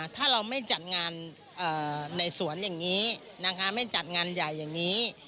ถ้าเราไม่จัดงานในสวนอย่างนี้นะคะไม่จัดงานใหญ่อย่างนี้